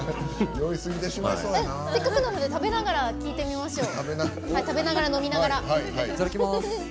せっかくなので食べながら聴いてみましょうよ。